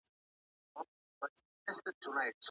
څنګه سوداګریز شرکتونه قیمتي ډبرې اروپا ته لیږدوي؟